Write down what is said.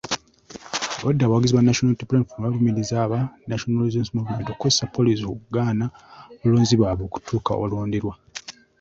Obwedda abawagizi ba National Unity Platform balumiriza aba National Resistance Movement okukozesa poliisi okugaana abalonzi baabwe okutuuka awalonderwa.